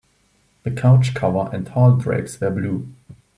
The couch cover and hall drapes were blue.